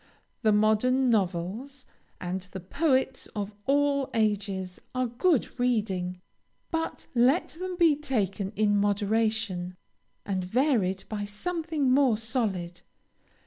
The modern novels, and the poets of all ages, are good reading, but let them be taken in moderation, and varied by something more solid.